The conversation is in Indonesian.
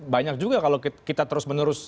banyak juga kalau kita terus menerus